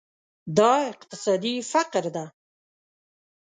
دا اقتصادي فقر ده.